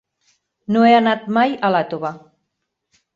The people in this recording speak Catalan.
No he anat mai a Iàtova.